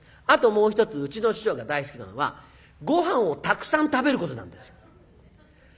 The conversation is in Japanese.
あともう一つうちの師匠が大好きなのはごはんをたくさん食べることなんです。